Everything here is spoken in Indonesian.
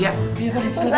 iya pak riki